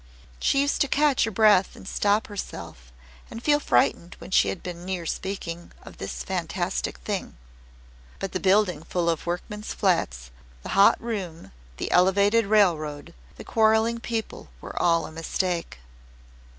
She used to catch her breath and stop herself and feel frightened when she had been near speaking of this fantastic thing. But the building full of workmen's flats, the hot room, the Elevated Railroad, the quarrelling people, were all a mistake.